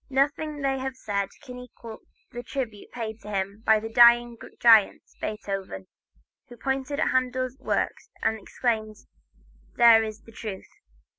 Nothing they have said can equal the tribute paid him by the dying giant Beethoven, who pointing to Handel's works exclaimed: "There is the truth."